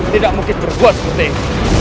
tidak mungkin berbuat seperti ini